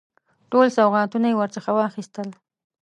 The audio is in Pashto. ټول سوغاتونه یې ورڅخه واخیستل.